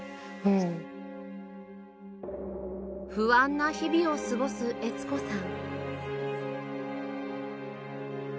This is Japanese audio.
不安な日々を過ごす悦子さん